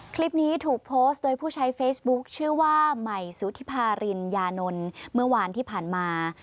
คลิปนี้ถูกโพสต์โดยผู้ใช้เฟซบุ๊คชื่อว่าใหม่สุธิภาริญญานนท์เมื่อวานที่ผ่านมา